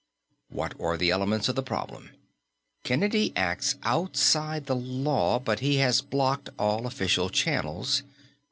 What are the elements of the problem? Kennedy acts outside the law, but he has blocked all official channels.